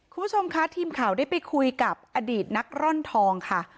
คุณผู้ชมคะทีมข่าวได้ไปคุยกับอดีตนักร่อนทองค่ะ